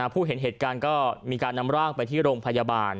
ผู้เห็นเหตุการณ์ก็มีการนำร่างไปที่โรงพยาบาล